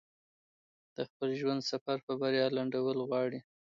د خپل ژوند سفر په بريا لنډول غواړي.